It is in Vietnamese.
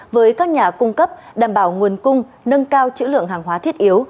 với các nhà cung cấp đảm bảo nguồn cung nâng cao chữ lượng hàng hóa thiết yếu